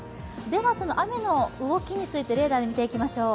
ではその雨の動きについてレーダーで見ていきましょう。